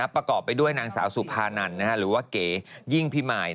ประกอบไปด้วยนางสาวสุภานันหรือว่าเก๋ยิ่งพิมาย